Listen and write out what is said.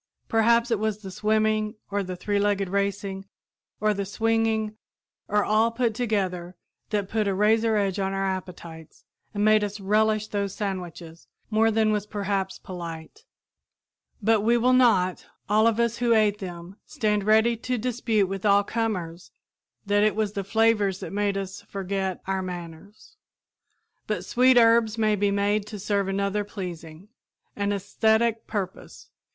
Perhaps it was the swimming, or the three legged racing, or the swinging, or all put together, that put a razor edge on our appetites and made us relish those sandwiches more than was perhaps polite; but will we not, all of us who ate them, stand ready to dispute with all comers that it was the flavors that made us forget "our manners"? But sweet herbs may be made to serve another pleasing, an æsthetic purpose.